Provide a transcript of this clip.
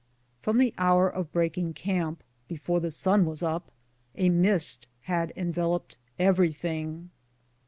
From the hour of breaking camp, before the sun was up, a mist had enveloped everything.